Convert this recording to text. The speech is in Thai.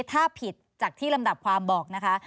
ถ้าผิดจากที่ลำดับความบอกนะคะ